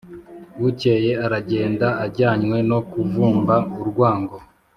bukeye aragenda, ajyanywe no kuvumba urwango